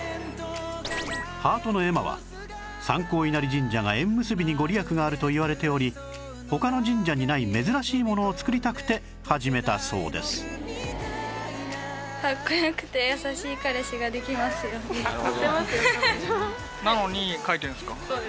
ハートの絵馬は三光稲荷神社が縁結びに御利益があるといわれており他の神社にない珍しいものを作りたくて始めたそうですなのに書いてるんですか？